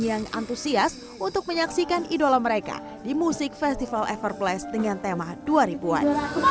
yang antusias untuk menyaksikan idola mereka di musik festival everplace dengan tema dua ribu an